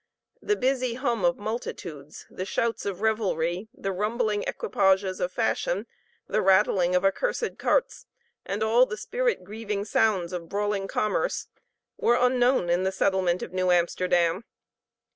The busy hum of multitudes, the shouts of revelry, the rumbling equipages of fashion, the rattling of accursed carts, and all the spirit grieving sounds of brawling commerce, were unknown in the settlement of New Amsterdam.